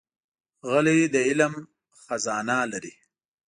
غلی، د علم خزانه لري.